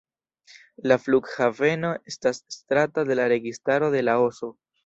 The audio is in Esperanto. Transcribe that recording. La flughaveno estas estrata de la registaro de Laoso.